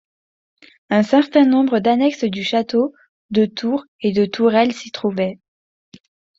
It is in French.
Un certain nombre d'annexes du château, de tours et de tourelles s'y trouvaient.